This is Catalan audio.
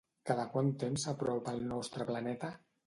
Cada quant temps s'apropa al nostre planeta?